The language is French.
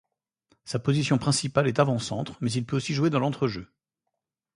Sa position principale est avant-centre, mais il peut aussi jouer dans l’entre-jeu.